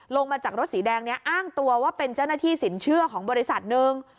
ลงมาจากรถสีแดงนี้อ้างตัวว่าเป็นเจ้าหน้าที่สินเชื่อของบริษัทหนึ่ง